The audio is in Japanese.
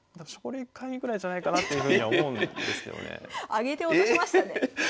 上げて落としましたね。